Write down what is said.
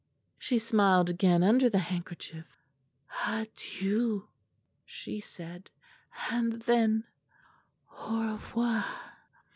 She smiled again under the handkerchief. 'Adieu,' she said, and then, 'Au revoir.'